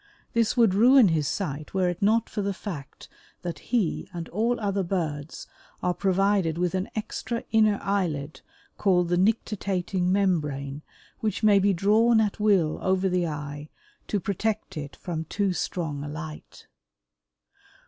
This would ruin his sight were it not for the fact that he and all other birds are provided with an extra inner eyelid called the nictitating membrane which may be drawn at will over the eye to protect it from too strong a light.